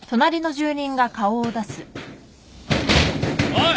おい！